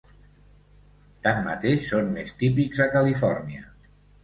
Tanmateix són més típics a Califòrnia.